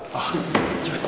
行きます！